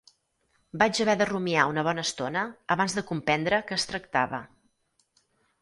Vaig haver de rumiar una bona estona abans de comprendre que es tractava